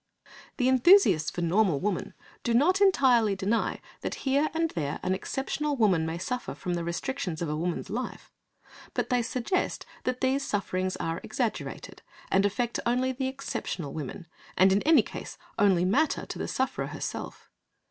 The enthusiasts for Normal Woman do not entirely deny that here and there an exceptional woman may suffer from the restrictions of a woman's life, but they suggest that these sufferings are exaggerated, and affect only the exceptional women, and in any case only matter to the sufferer herself.